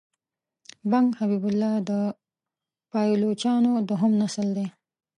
بنګ حبیب الله د پایلوچانو دوهم نسل دی.